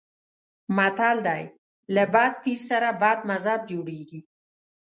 متل دی: له بد پیر سره بد مذهب جوړېږي.